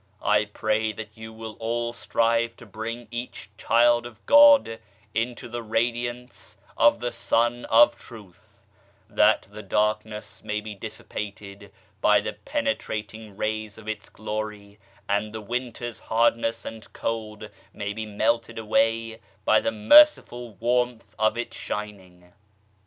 I pray that you will all strive to bring each child of God into the radiance of the Sun of Truth, that the darkness may be dissipated by the penetrating rays of Its glory, and the winter's hardness and cold may be melted away by the merciful warmth of Its shining.